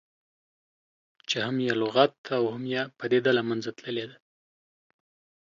چې هم یې لغت او هم یې پدیده له منځه تللې ده.